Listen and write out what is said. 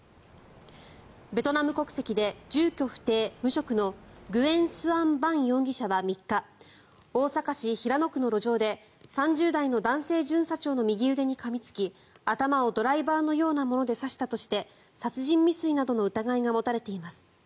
ベトナム国籍で住居不定・無職のグエン・スアン・バン容疑者は３日、大阪市平野区の路上で３０代の男性巡査長の右腕にかみつき頭をドライバーのようなもので刺したとして殺人未遂などの疑いが持たれています。